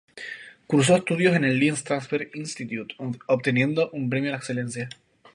Cursó estudios en el Lee Strasberg Institute", obteniendo un premio de excelencia.